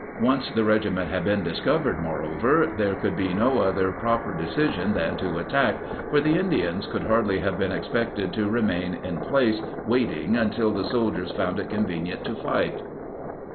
Once the regiment had been discovered, moreover, there could be no other proper decision than to attack, for the Indians could hardly have been expected to remain in place waiting until the soldiers found it convenient to fight.